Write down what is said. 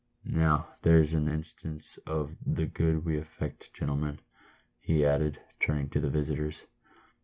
" Now there's an instance of the good we effect, gentlemen," he added, turning to the visitors.